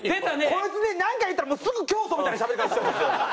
こいつねなんか言ったらすぐ教祖みたいなしゃべり方しよるんですよ。